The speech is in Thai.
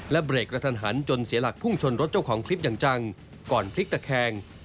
เบรกกระทันหันจนเสียหลักพุ่งชนรถเจ้าของคลิปอย่างจังก่อนพลิกตะแคง